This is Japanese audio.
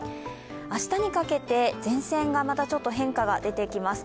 明日にかけて前線がまたちょっと変化が出てきます。